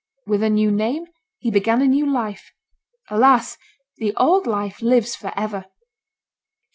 With a new name, he began a new life. Alas! the old life lives for ever!